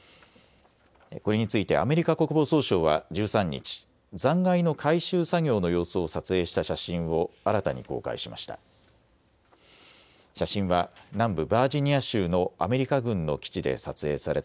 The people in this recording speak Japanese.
これについてアメリカ国防総省は１３日、残骸の回収作業の様子を撮影した写真を新たに公開しました。